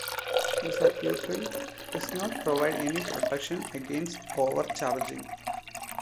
This circuitry does not provide any protection against over-charging.